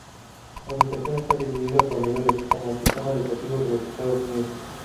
La educación está dividida por niveles, como el sistema educativo de los Estados Unidos.